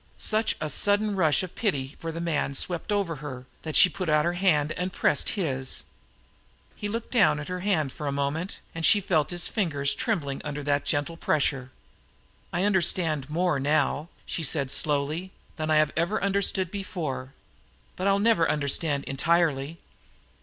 Such a sudden rush of pity for the man swept over her that she put out her hand and pressed his. He looked down at her hand for a moment, and she felt his fingers trembling under that gentle pressure. "I understand more now," she said slowly, "than I have ever understood before. But I'll never understand entirely."